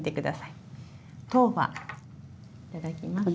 いただきます。